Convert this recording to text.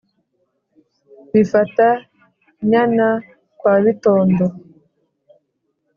b'i fata-nyana kwa bitondo